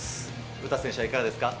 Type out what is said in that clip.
詩選手はいかがですか。